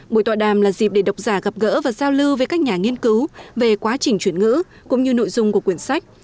buổi tọa đàm là dịp để độc giả gặp gỡ và giao lưu với các nhà nghiên cứu về quá trình chuyển ngữ cũng như nội dung của quyển sách